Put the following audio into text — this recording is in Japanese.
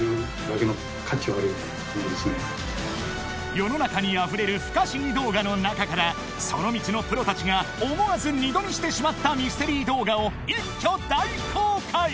世の中にあふれる不可思議動画の中からその道のプロたちが思わず二度見してしまったミステリー動画を一挙大公開！